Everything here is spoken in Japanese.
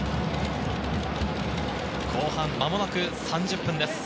後半、間もなく３０分です。